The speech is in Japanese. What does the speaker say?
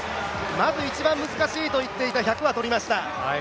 まず一番難しいといっていた１００は取りました。